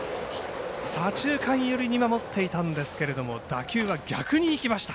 左中間寄りに守っていたんですけども打球は逆にいきました。